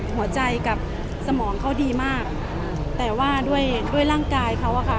หัวใจกับสมองเขาดีมากแต่ว่าด้วยด้วยร่างกายเขาอะค่ะ